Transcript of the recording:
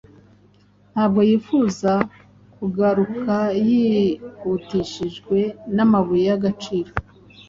Ntabwo yifuza kugarukayihutishijwe namabuye yagaciro